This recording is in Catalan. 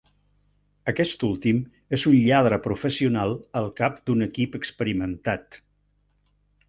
Aquest últim és un lladre professional al cap d'un equip experimentat.